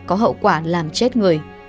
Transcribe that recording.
có hậu quả làm chết người